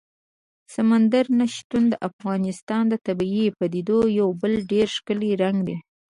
سمندر نه شتون د افغانستان د طبیعي پدیدو یو بل ډېر ښکلی رنګ دی.